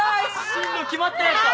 進路決まったやっか！